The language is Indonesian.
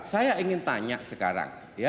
saya ingin tanya sekarang